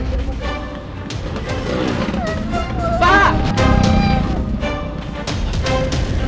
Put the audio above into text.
pengen aku daanda pak sem